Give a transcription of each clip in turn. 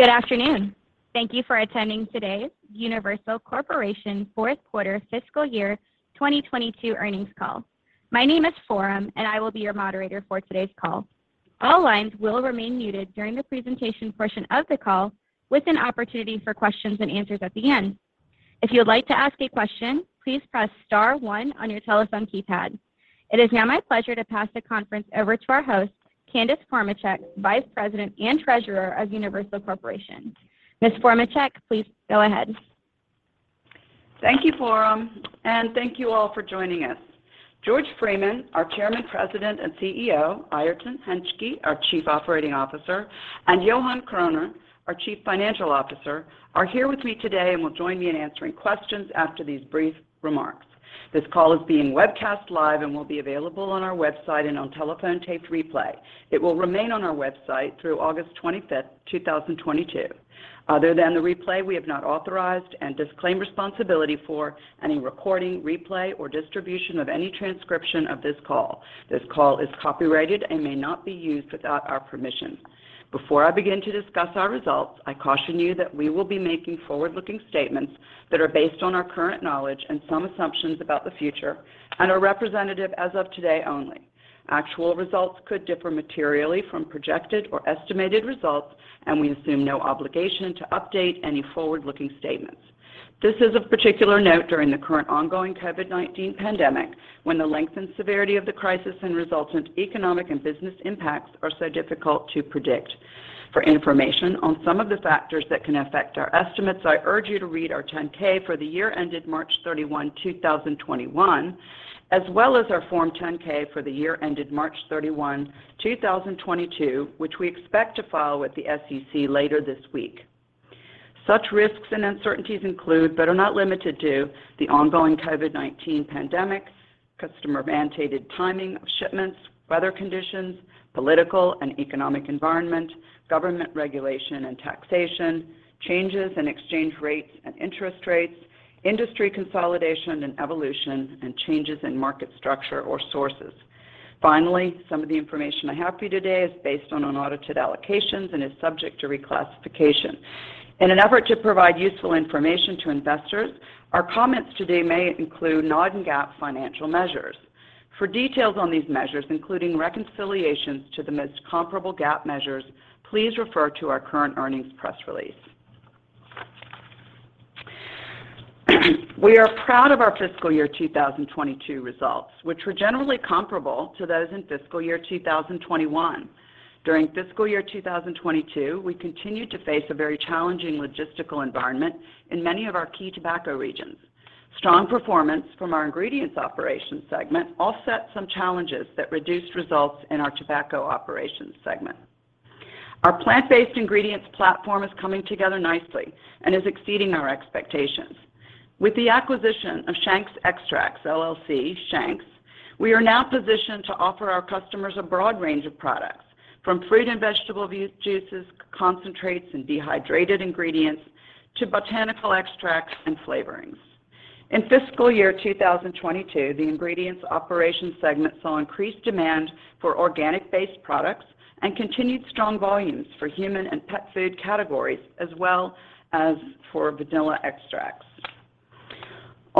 Good afternoon. Thank you for attending today's Universal Corporation Q4 fiscal year 2022 earnings call. My name is Foram, and I will be your moderator for today's call. All lines will remain muted during the presentation portion of the call with an opportunity for questions and answers at the end. If you would like to ask a question, please press star one on your telephone keypad. It is now my pleasure to pass the conference over to our host, Candace Formacek, Vice President and Treasurer of Universal Corporation. Ms. Formacek, please go ahead. Thank you, Foram, and thank you all for joining us. George Freeman, our Chairman, President, and CEO, Airton Hentschke, our Chief Operating Officer, and Johan Kroner, our Chief Financial Officer, are here with me today and will join me in answering questions after these brief remarks. This call is being webcast live and will be available on our website and on telephone taped replay. It will remain on our website through August 25th, 2022. Other than the replay, we have not authorized and disclaim responsibility for any recording, replay, or distribution of any transcription of this call. This call is copyrighted and may not be used without our permission. Before I begin to discuss our results, I caution you that we will be making forward-looking statements that are based on our current knowledge and some assumptions about the future and are representative as of today only. Actual results could differ materially from projected or estimated results, and we assume no obligation to update any forward-looking statements. This is of particular note during the current ongoing COVID-19 pandemic when the length and severity of the crisis and resultant economic and business impacts are so difficult to predict. For information on some of the factors that can affect our estimates, I urge you to read our 10-K for the year ended March 31, 2021, as well as our Form 10-K for the year ended March 31, 2022, which we expect to file with the SEC later this week. Such risks and uncertainties include, but are not limited to, the ongoing COVID-19 pandemic, customer-mandated timing of shipments, weather conditions, political and economic environment, government regulation and taxation, changes in exchange rates and interest rates, industry consolidation and evolution, and changes in market structure or sources. Finally, some of the information I have for you today is based on unaudited allocations and is subject to reclassification. In an effort to provide useful information to investors, our comments today may include non-GAAP financial measures. For details on these measures, including reconciliations to the most comparable GAAP measures, please refer to our current earnings press release. We are proud of our fiscal year 2022 results, which were generally comparable to those in fiscal year 2021. During fiscal year 2022, we continued to face a very challenging logistical environment in many of our key tobacco regions. Strong performance from our ingredients operations segment offset some challenges that reduced results in our tobacco operations segment. Our plant-based ingredients platform is coming together nicely and is exceeding our expectations. With the acquisition of Shank's Extracts LLC, Shank's, we are now positioned to offer our customers a broad range of products from fruit and vegetable juices, concentrates, and dehydrated ingredients to botanical extracts and flavorings. In fiscal year 2022, the ingredients operations segment saw increased demand for organic-based products and continued strong volumes for human and pet food categories as well as for vanilla extracts.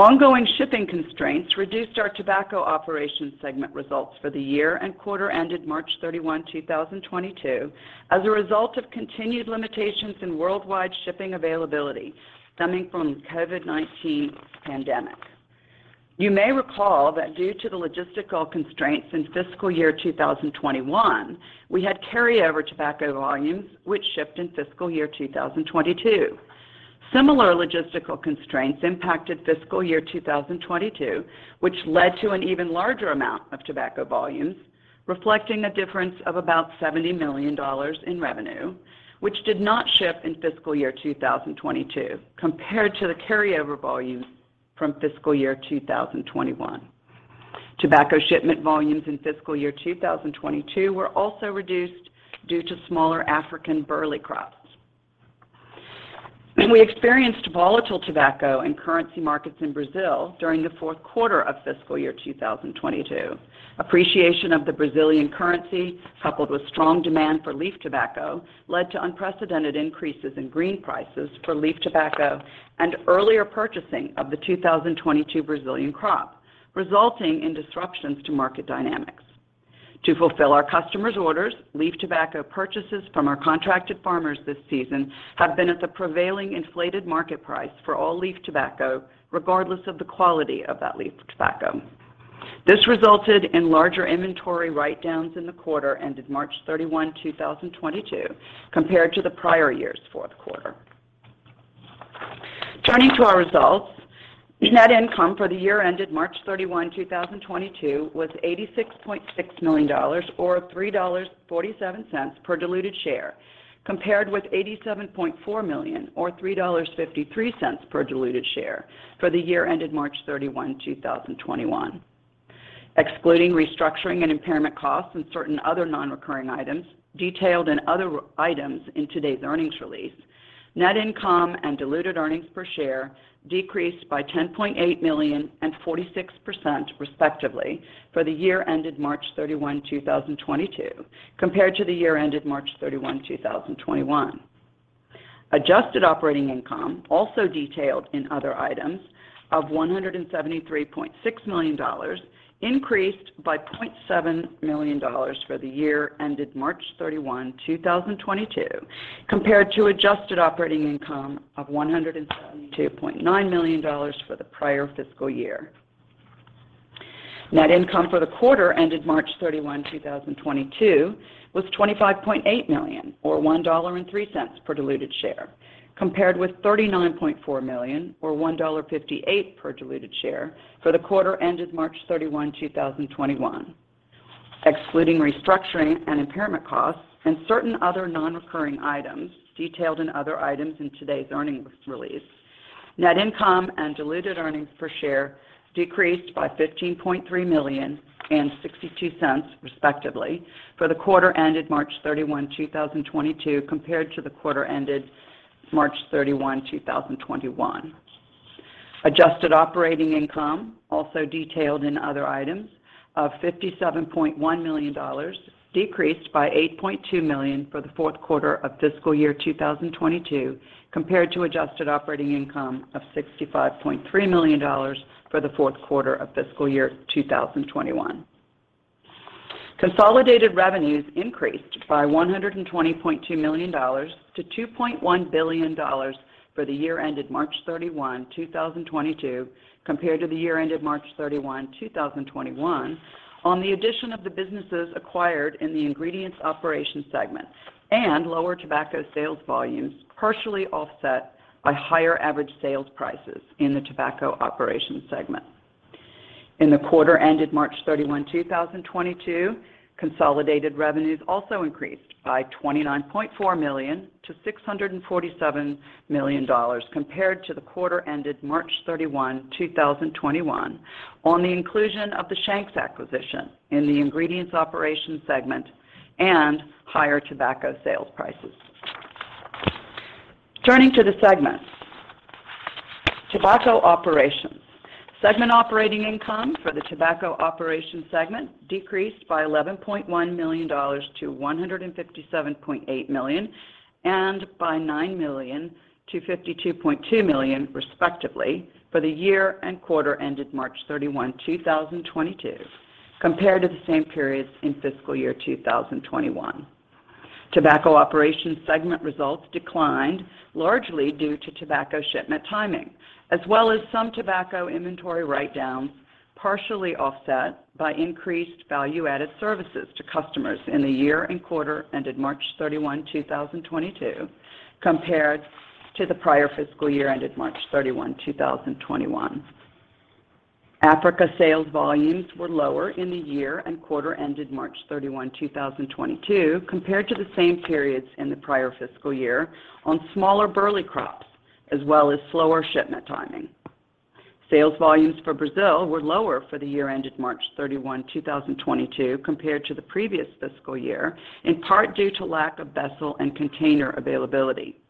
Ongoing shipping constraints reduced our tobacco operations segment results for the year and quarter ended March 31, 2022 as a result of continued limitations in worldwide shipping availability stemming from the COVID-19 pandemic. You may recall that due to the logistical constraints in fiscal year 2021, we had carryover tobacco volumes which shipped in fiscal year 2022. Similar logistical constraints impacted fiscal year 2022, which led to an even larger amount of tobacco volumes reflecting a difference of about $70 million in revenue, which did not ship in fiscal year 2022 compared to the carryover volumes from fiscal year 2021. Tobacco shipment volumes in fiscal year 2022 were also reduced due to smaller African burley crops. We experienced volatile tobacco and currency markets in Brazil during the Q4 of fiscal year 2022. Appreciation of the Brazilian currency, coupled with strong demand for leaf tobacco, led to unprecedented increases in green prices for leaf tobacco and earlier purchasing of the 2022 Brazilian crop, resulting in disruptions to market dynamics. To fulfill our customers' orders, leaf tobacco purchases from our contracted farmers this season have been at the prevailing inflated market price for all leaf tobacco, regardless of the quality of that leaf tobacco. This resulted in larger inventory write-downs in the quarter ended March 31, 2022, compared to the prior year's Q4. Turning to our results, net income for the year ended March 31, 2022 was $86.6 million or $3.47 per diluted share, compared with $87.4 million or $3.53 per diluted share for the year ended March 31, 2021. Excluding restructuring and impairment costs and certain other non-recurring items detailed in other items in today's earnings release, net income and diluted earnings per share decreased by $10.8 million and 46% respectively for the year ended March 31, 2022, compared to the year ended March 31, 2021. Adjusted operating income, also detailed in other items of $173.6 million, increased by $0.7 million for the year ended March 31, 2022 compared to adjusted operating income of $172.9 million for the prior fiscal year. Net income for the quarter ended March 31, 2022 was $25.8 million or $1.03 per diluted share, compared with $39.4 million or $1.58 per diluted share for the quarter ended March 31, 2021. Excluding restructuring and impairment costs and certain other non-recurring items detailed in other items in today's earnings release, net income and diluted earnings per share decreased by $15.3 million and 62 cents, respectively, for the quarter ended March 31, 2022 compared to the quarter ended March 31, 2021. Adjusted operating income, also detailed in other items of $57.1 million, decreased by $8.2 million for the Q4 of fiscal year 2022 compared to adjusted operating income of $65.3 million for the Q4 of fiscal year 2021. Consolidated revenues increased by $120.2 million to $2.1 billion for the year ended March 31, 2022 compared to the year ended March 31, 2021 due to the addition of the businesses acquired in the Ingredients Operations segment and lower tobacco sales volumes, partially offset by higher average sales prices in the Tobacco Operations segment. In the quarter ended March 31, 2022, consolidated revenues also increased by $29.4 million to $647 million compared to the quarter ended March 31, 2021 on the inclusion of the Shank's acquisition in the ingredients operations segment and higher tobacco sales prices. Turning to the segments. Tobacco operations. Segment operating income for the tobacco operations segment decreased by $11.1 million to $157.8 million and by $9 million to $52.2 million respectively for the year and quarter ended March 31, 2022 compared to the same periods in fiscal year 2021. Tobacco operations segment results declined largely due to tobacco shipment timing, as well as some tobacco inventory write-downs, partially offset by increased value-added services to customers in the year and quarter ended March 31, 2022 compared to the prior fiscal year ended March 31, 2021. Africa sales volumes were lower in the year and quarter ended March 31, 2022 compared to the same periods in the prior fiscal year on smaller burley crops as well as slower shipment timing. Sales volumes for Brazil were lower for the year ended March 31, 2022 compared to the previous fiscal year, in part due to lack of vessel and container availability.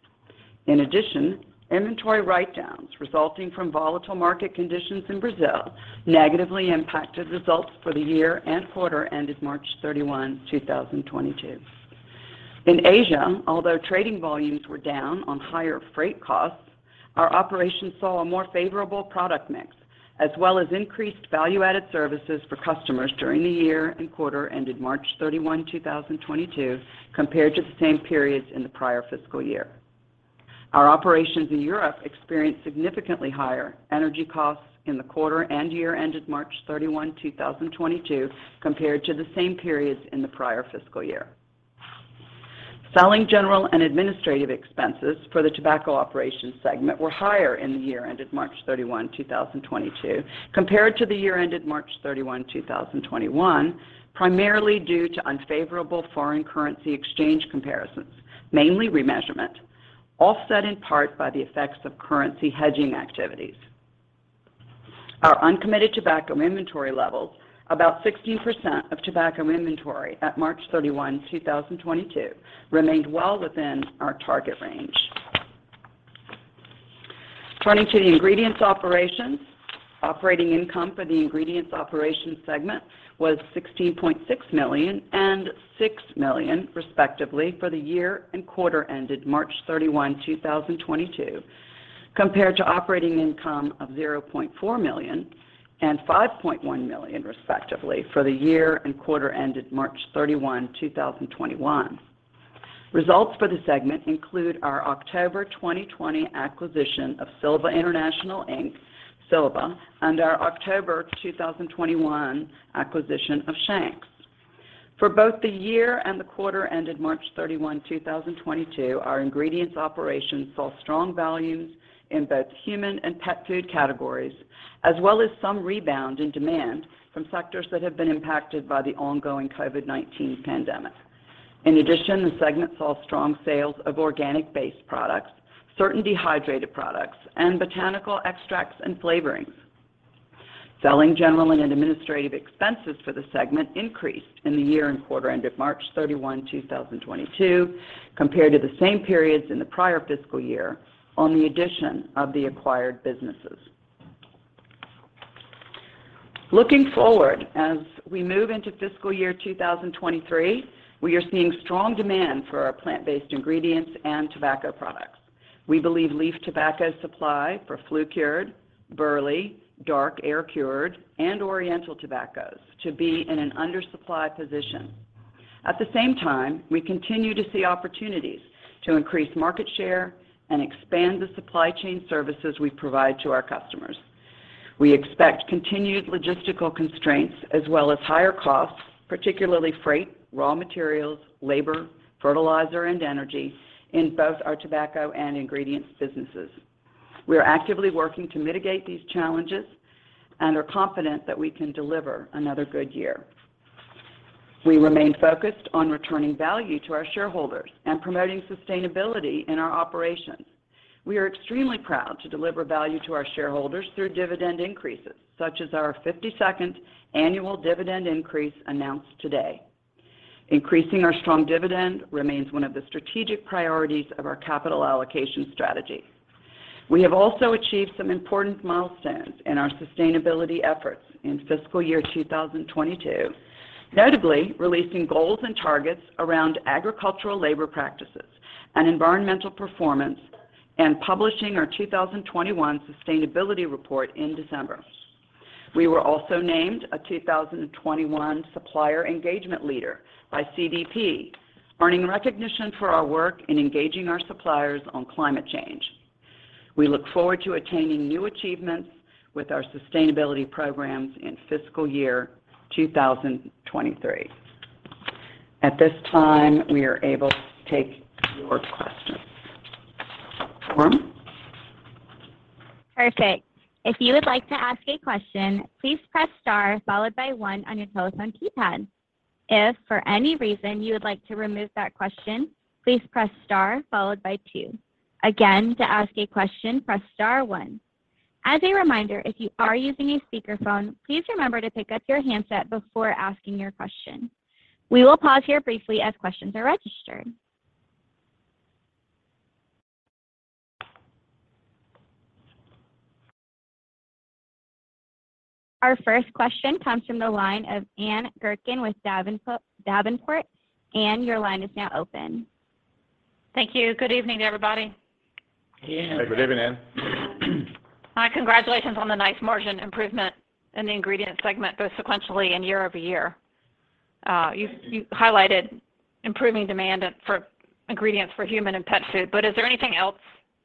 In addition, inventory write-downs resulting from volatile market conditions in Brazil negatively impacted results for the year and quarter ended March 31, 2022. In Asia, although trading volumes were down on higher freight costs, our operations saw a more favorable product mix as well as increased value-added services for customers during the year and quarter ended March 31, 2022 compared to the same periods in the prior fiscal year. Our operations in Europe experienced significantly higher energy costs in the quarter and year ended March 31, 2022 compared to the same periods in the prior fiscal year. Selling, general and administrative expenses for the tobacco operations segment were higher in the year ended March 31, 2022 compared to the year ended March 31, 2021, primarily due to unfavorable foreign currency exchange comparisons, mainly remeasurement, offset in part by the effects of currency hedging activities. Our uncommitted tobacco inventory levels, about 60% of tobacco inventory at March 31, 2022 remained well within our target range. Turning to the ingredients operations. Operating income for the ingredients operations segment was $16.6 million and $6 million, respectively, for the year and quarter ended March 31, 2022 compared to operating income of $0.4 million and $5.1 million, respectively, for the year and quarter ended March 31, 2021. Results for the segment include our October 2020 acquisition of Silva International, Inc., Silva, and our October 2021 acquisition of Shank's. For both the year and the quarter ended March 31, 2022, our ingredients operations saw strong volumes in both human and pet food categories, as well as some rebound in demand from sectors that have been impacted by the ongoing COVID-19 pandemic. In addition, the segment saw strong sales of organic-based products, certain dehydrated products, and botanical extracts and flavorings. Selling, general, and administrative expenses for the segment increased in the year and quarter ended March 31, 2022 compared to the same periods in the prior fiscal year on the addition of the acquired businesses. Looking forward, as we move into fiscal year 2023, we are seeing strong demand for our plant-based ingredients and tobacco products. We believe leaf tobacco supply for flue-cured, burley, dark air-cured, and Oriental tobaccos to be in an undersupply position. At the same time, we continue to see opportunities to increase market share and expand the supply chain services we provide to our customers. We expect continued logistical constraints as well as higher costs, particularly freight, raw materials, labor, fertilizer, and energy in both our tobacco and ingredients businesses. We are actively working to mitigate these challenges and are confident that we can deliver another good year. We remain focused on returning value to our shareholders and promoting sustainability in our operations. We are extremely proud to deliver value to our shareholders through dividend increases, such as our 52nd annual dividend increase announced today. Increasing our strong dividend remains one of the strategic priorities of our capital allocation strategy. We have also achieved some important milestones in our sustainability efforts in fiscal year 2022, notably releasing goals and targets around agricultural labor practices and environmental performance and publishing our 2021 sustainability report in December. We were also named a 2021 Supplier Engagement Leader by CDP, earning recognition for our work in engaging our suppliers on climate change. We look forward to attaining new achievements with our sustainability programs in fiscal year 2023. At this time, we are able to take your questions. Operator? Perfect. If you would like to ask a question, please press star followed by one on your telephone keypad. If for any reason you would like to remove that question, please press star followed by two. Again, to ask a question, press star one. As a reminder, if you are using a speakerphone, please remember to pick up your handset before asking your question. We will pause here briefly as questions are registered. Our first question comes from the line of Ann Gurkin with Davenport. Ann, your line is now open. Thank you. Good evening, everybody. Evening. Hey, good evening, Ann. Hi, congratulations on the nice margin improvement in the ingredient segment, both sequentially and year over year. You highlighted improving demand for ingredients for human and pet food, but is there anything else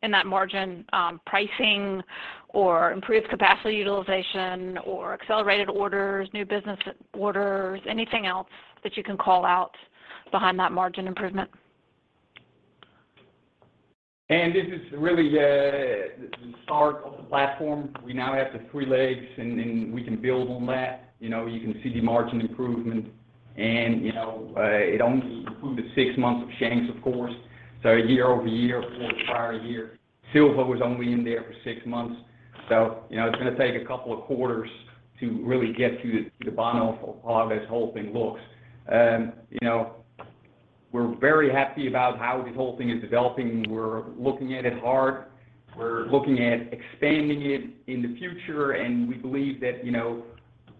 in that margin, pricing or improved capacity utilization or accelerated orders, new business orders, anything else that you can call out behind that margin improvement? Ann, this is really the start of the platform. We now have the three legs and we can build on that. You know, you can see the margin improvement and, you know, it only included six months of Shank's, of course. Year-over-year or the prior year, Silva was only in there for six months. You know, it's gonna take a couple of quarters to really get to the bottom of how this whole thing looks. You know, we're very happy about how this whole thing is developing. We're looking at it hard. We're looking at expanding it in the future, and we believe that, you know,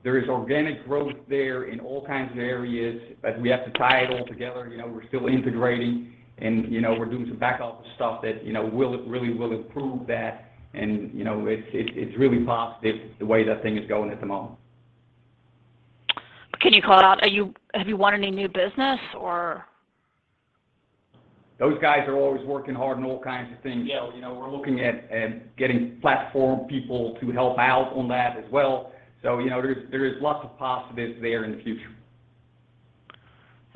there is organic growth there in all kinds of areas, but we have to tie it all together. You know, we're still integrating and, you know, we're doing some back office stuff that, you know, really will improve that and, you know, it's really positive the way that thing is going at the moment. Can you call it out? Have you won any new business or? Those guys are always working hard on all kinds of things. You know, we're looking at getting platform people to help out on that as well. You know, there is lots of positives there in the future.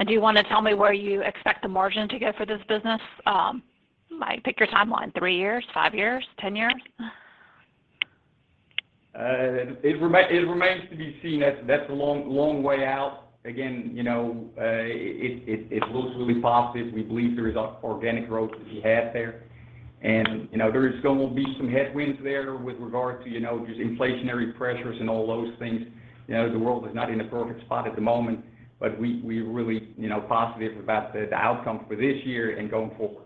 Do you wanna tell me where you expect the margin to go for this business? Like, pick your timeline, 3 years, 5 years, 10 years? It remains to be seen. That's a long way out. Again, you know, it looks really positive. We believe there is organic growth that we have there. You know, there is gonna be some headwinds there with regard to, you know, just inflationary pressures and all those things. You know, the world is not in a perfect spot at the moment, but we're really, you know, positive about the outcome for this year and going forward.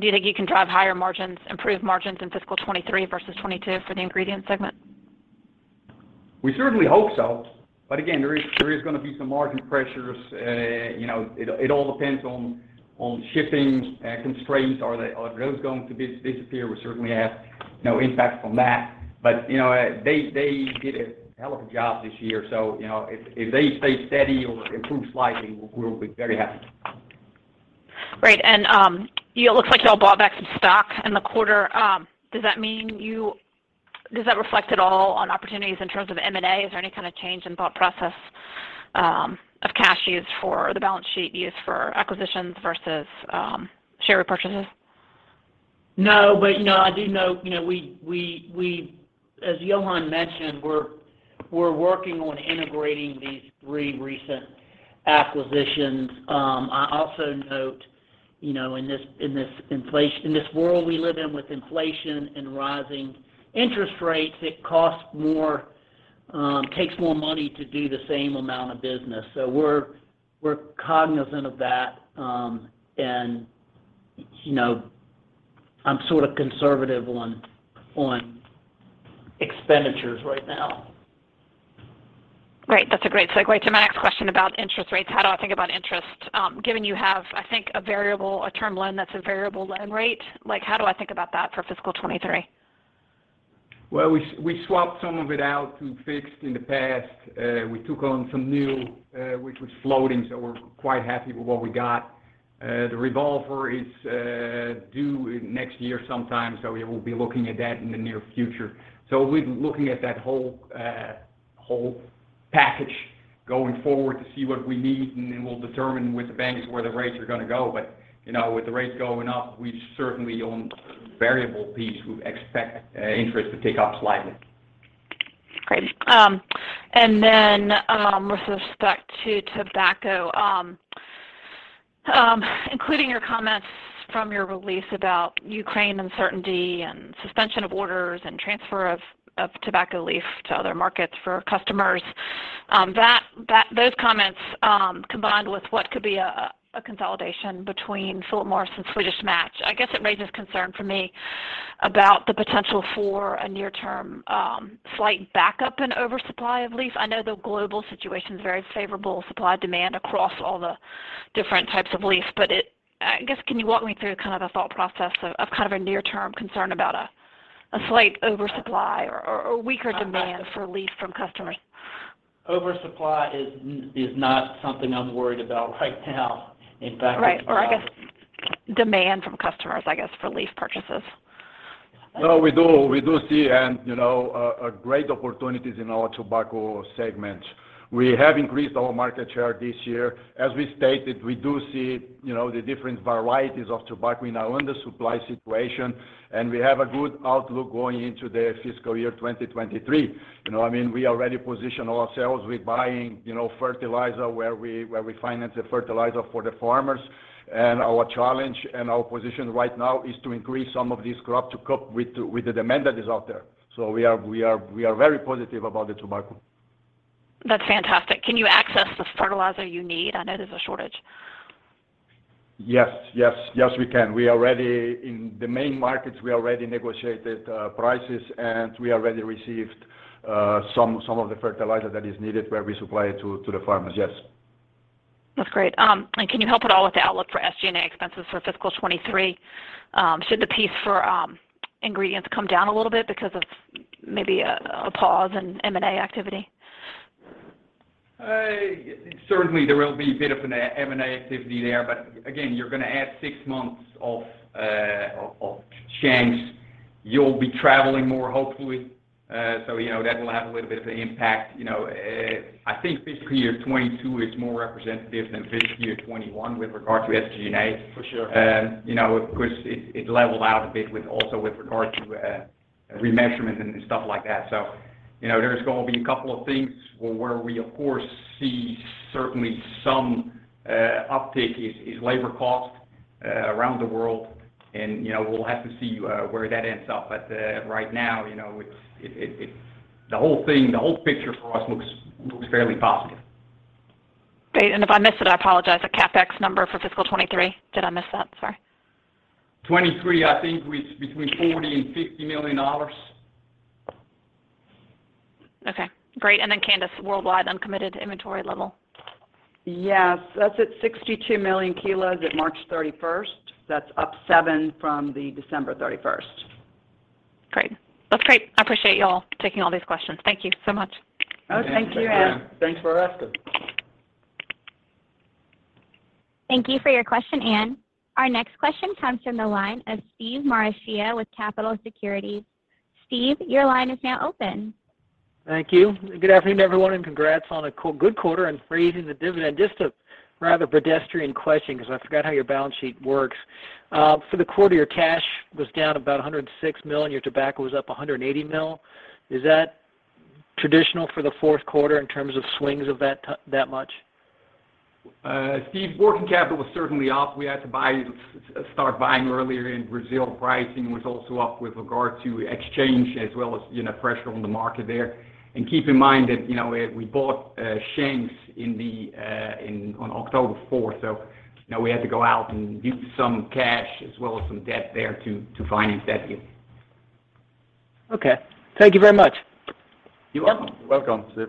Do you think you can drive higher margins, improved margins in fiscal 2023 versus 2022 for the ingredient segment? We certainly hope so. Again, there is gonna be some margin pressures. You know, it all depends on shipping constraints. Are those going to disappear? We certainly have no impact from that. You know, they did a hell of a job this year. You know, if they stay steady or improve slightly, we'll be very happy. Great. It looks like y'all bought back some stock in the quarter. Does that reflect at all on opportunities in terms of M&A? Is there any kind of change in thought process of cash used for the balance sheet used for acquisitions versus share repurchases? No, you know, I do know, you know, we, as Johan mentioned, we're working on integrating these three recent acquisitions. I also note, you know, in this world we live in with inflation and rising interest rates, it costs more, takes more money to do the same amount of business. We're cognizant of that, and, you know, I'm sort of conservative on expenditures right now. Great. That's a great segue to my next question about interest rates. How do I think about interest, given you have, I think, a term loan that's a variable loan rate? Like, how do I think about that for fiscal 2023? Well, we swapped some of it out to fixed in the past. We took on some new, which was floating, so we're quite happy with what we got. The revolver is due next year sometime, so we will be looking at that in the near future. We're looking at that whole package going forward to see what we need, and then we'll determine with the banks where the rates are gonna go. You know, with the rates going up, we certainly on variable piece, we expect interest to tick up slightly. Great. With respect to tobacco, including your comments from your release about Ukraine uncertainty and suspension of orders and transfer of tobacco leaf to other markets for customers, those comments combined with what could be a consolidation between Philip Morris and Swedish Match. I guess it raises concern for me about the potential for a near-term slight backup and oversupply of leaves. I know the global situation is very favorable, supply-demand across all the different types of leaves. I guess, can you walk me through kind of the thought process of kind of a near-term concern about a slight oversupply or weaker demand for leaf from customers? Oversupply is not something I'm worried about right now. In fact. Right. I guess demand from customers, I guess, for leaf purchases. No, we do see and, you know, a great opportunities in our tobacco segment. We have increased our market share this year. As we stated, we do see, you know, the different varieties of tobacco. We now own the supply situation, and we have a good outlook going into the fiscal year 2023. You know, I mean, we already position ourselves with buying, you know, fertilizer where we finance the fertilizer for the farmers. And our challenge and our position right now is to increase some of this crop to cope with the demand that is out there. We are very positive about the tobacco. That's fantastic. Can you access the fertilizer you need? I know there's a shortage. Yes. Yes. Yes, we can. We already. In the main markets, we already negotiated prices, and we already received some of the fertilizer that is needed where we supply it to the farmers. Yes. That's great. Can you help at all with the outlook for SG&A expenses for fiscal 2023? Should the piece for ingredients come down a little bit because of maybe a pause in M&A activity? Certainly there will be a bit of an M&A activity there. Again, you're gonna add six months of Shank's. You'll be traveling more, hopefully. You know, that will have a little bit of an impact. You know, I think fiscal year 2022 is more representative than fiscal year 2021 with regard to SG&A. For sure. You know, of course, it leveled out a bit with also with regard to remeasurement and stuff like that. You know, there's gonna be a couple of things where we, of course, see certainly some uptick in labor cost around the world. You know, we'll have to see where that ends up. Right now, you know, it's the whole thing, the whole picture for us looks fairly positive. Great. If I missed it, I apologize. The CapEx number for fiscal 2023. Did I miss that? Sorry. 2023, I think it's between $40 million and $50 million. Okay. Great. Candace, worldwide uncommitted inventory level. Yes. That's at 62 million kilos at March 31st. That's up 7% from the December 31st. Great. That's great. I appreciate y'all taking all these questions. Thank you so much. Oh, thank you, Ann. Thanks for asking. Thank you for your question, Ann. Our next question comes from the line of Steve Marascia with Capitol Securities. Steve, your line is now open. Thank you. Good afternoon, everyone, and congrats on a good quarter and raising the dividend. Just a rather pedestrian question because I forgot how your balance sheet works. For the quarter, your cash was down about $106 million, and your tobacco was up $180 million. Is that traditional for the Q4 in terms of swings of that much? Steve, working capital was certainly up. We had to buy, start buying earlier in Brazil. Pricing was also up with regard to exchange as well as, you know, pressure on the market there. Keep in mind that, you know, we bought Shank's on October fourth. You know, we had to go out and use some cash as well as some debt there to finance that deal. Okay. Thank you very much. You're welcome. You're welcome, Steve.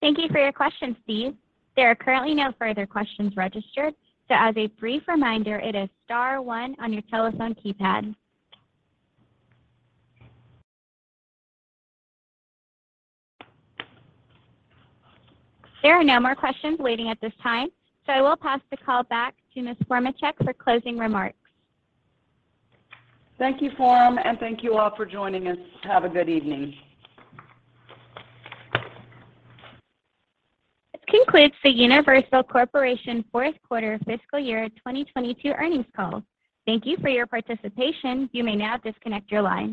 Thank you for your question, Steve. There are currently no further questions registered. As a brief reminder, it is star one on your telephone keypad. There are no more questions waiting at this time. I will pass the call back to Ms. Formacek for closing remarks. Thank you, Foram, and thank you all for joining us. Have a good evening. This concludes the Universal Corporation Q4 fiscal year 2022 earnings call. Thank you for your participation. You may now disconnect your line.